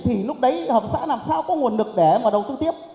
thì lúc đấy hợp tác xã làm sao có nguồn lực để mà đầu tư tiếp